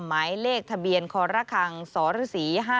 หมายเลขทะเบียนคอรคังสฤษี๕๗